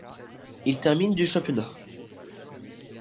Il termine du championnat.